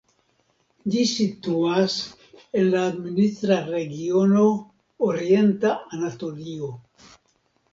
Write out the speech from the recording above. Ĝi situas en la administra regiono Orienta Anatolio.